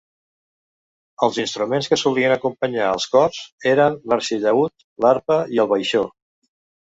Els instruments que solien acompanyar els cors eren l'arxillaüt, l'arpa i el baixó.